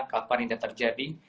kapan ini terjadi